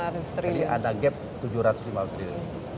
jadi ada gap rp tujuh ratus lima puluh triliun